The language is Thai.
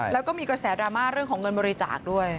แล้วก็มีกระแสดราม่าเรื่องของเงินบริจาคด้วย